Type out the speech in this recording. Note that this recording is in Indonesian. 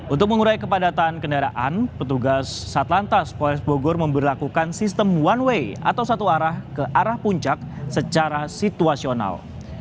untuk mengurai kepadatan kendaraan petugas satlantas polres bogor memperlakukan sistem one way atau satu arah ke arah puncak secara situasional